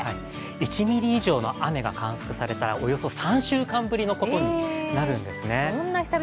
１ミリ以上の雨が観測されたらおよそ３週間ぶりのことになるんですね。